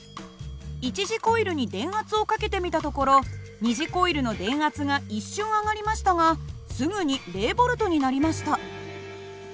一次コイルに電圧をかけてみたところ二次コイルの電圧が一瞬上がりましたがすぐに０Ｖになりました。